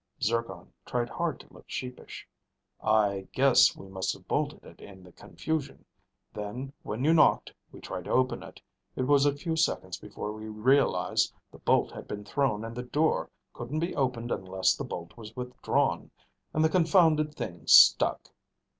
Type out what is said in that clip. Zircon tried hard to look sheepish. "I guess we must have bolted it in the confusion. Then, when you knocked, we tried to open it. It was a few seconds before we realized the bolt had been thrown and the door couldn't be opened unless the bolt was withdrawn. And the confounded thing stuck."